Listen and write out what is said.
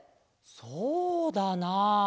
そうだな。